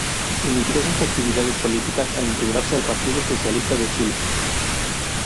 Inició sus actividades políticas al integrarse al Partido Socialista de Chile.